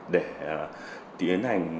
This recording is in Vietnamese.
để tiến hành